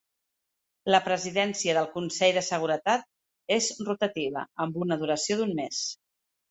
La presidència del Consell de Seguretat és rotativa, amb una duració d'un mes.